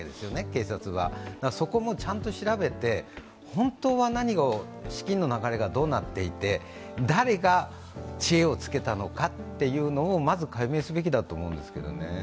警察は、そこもちゃんと調べて本当は何を資金の流れがどうなっていて誰が知恵をつけたのかというのをまず解明すべきだと思うんですけどね。